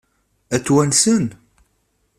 Ad t-wansen?